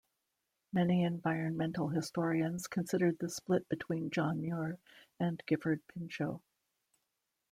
Many environmental historians consider the split between John Muir and Gifford Pinchot.